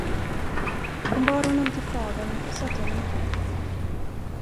Hon bar honom till fadern och satte honom i knät.